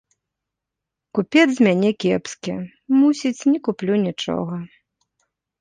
Купец з мяне кепскі, мусіць, не куплю нічога.